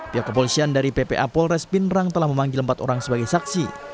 pihak kepolisian dari ppa polres pindrang telah memanggil empat orang sebagai saksi